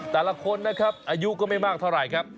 แต่ละคนนะครับอายุก็ไม่มากเท่าไหร่ครับ